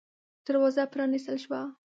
دروازه پرانستل شوه.